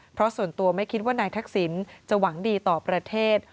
เพราะส่วนตัวไม่คิดว่านายทักษิณจะหวังดีต่อประเทศ